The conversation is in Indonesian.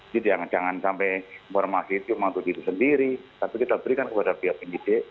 jadi jangan sampai informasi itu cuma untuk diri sendiri tapi kita berikan kepada pihak penyidik